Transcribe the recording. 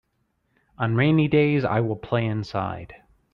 On rainy days I will play inside.